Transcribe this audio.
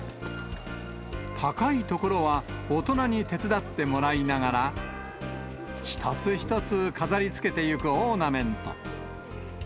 高い所は大人に手伝ってもらいながら、一つ一つ飾りつけていくオーナメント。